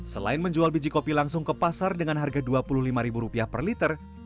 selain menjual biji kopi langsung ke pasar dengan harga rp dua puluh lima per liter